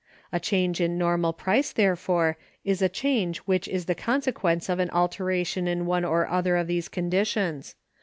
A change in normal price, therefore, is a change which is the consequence of an alteration in one or other of these conditions.